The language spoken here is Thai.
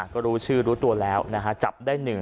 ก็รู้ชื่อรู้ตัวแล้วจับได้หนึ่ง